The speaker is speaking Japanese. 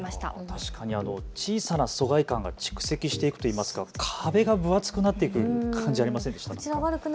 確かに小さな疎外感が蓄積されていくというか、壁が分厚くなる感じ、ありませんでしたか。